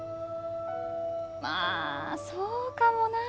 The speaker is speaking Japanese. まあそうかもなあ。